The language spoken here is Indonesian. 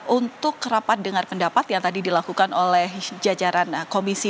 untuk rapat dengar pendapat yang tadi dilakukan oleh jajaran komisi